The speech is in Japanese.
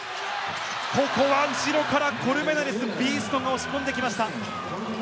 ここは後ろからコルメナレス、ビーストが押し込んできました。